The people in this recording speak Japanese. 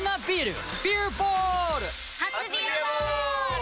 初「ビアボール」！